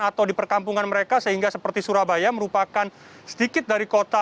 atau di perkampungan mereka sehingga seperti surabaya merupakan sedikit dari kota